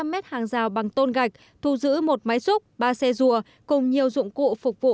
ba trăm linh mét hàng rào bằng tôn gạch thu giữ một máy xúc ba xe rùa cùng nhiều dụng cụ phục vụ